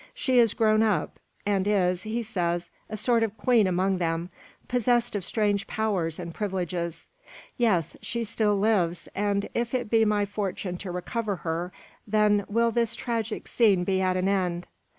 She is grown up, and is, he says, a sort of queen among them, possessed of strange powers and privileges. Yes, she still lives; and if it be my fortune to recover her, then will this tragic scene be at an end.